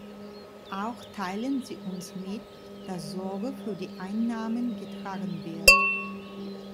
Auch teilen Sie uns mit, dass Sorge für die Einnahmen getragen wird.